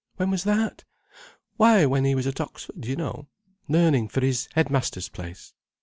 When was that? Why, when he was at Oxford, you know, learning for his head master's place.